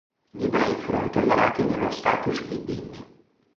Gli ebrei furono tollerati nel loro status di dhimmi.